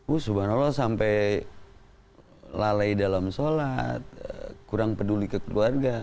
usulan allah sampai lalai dalam sholat kurang peduli ke keluarga